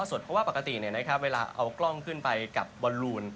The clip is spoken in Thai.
ถ่ายท่อสดเพราะว่าปกติเนี่ยนะครับเวลาเอากล้องขึ้นไปกับบอลลูน